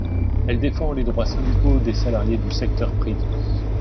Elle défend les droits syndicaux des salariés du secteur privé.